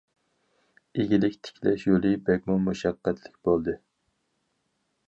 ئىگىلىك تىكلەش يولى بەكمۇ مۇشەققەتلىك بولدى.